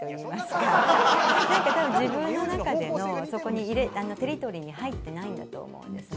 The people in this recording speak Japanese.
多分自分の中でのテリトリーに入ってないんだと思うんですね。